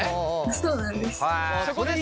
そうなんです。